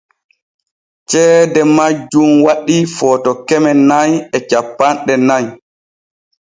Ceede majjun waɗii Footo keme nay e cappanɗe nay.